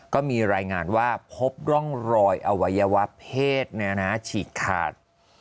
ก็มีรายงานว่าพบร่องรอยอวัยวะเพศฉีกขาด